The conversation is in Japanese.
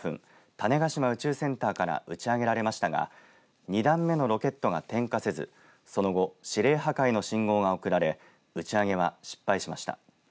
種子島宇宙センターから打ち上げられましたが２段目のロケットが点火せずその後指令破壊の信号が送られ打ち上げは失敗しました。